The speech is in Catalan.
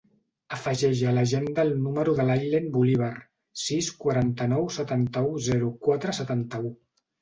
Afegeix a l'agenda el número de l'Aylen Bolivar: sis, quaranta-nou, setanta-u, zero, quatre, setanta-u.